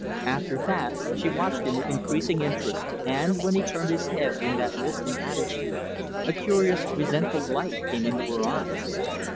After that, she watched him with increasing interest and, when he turned his head in that listening attitude, a curious, resentful light came into her eyes.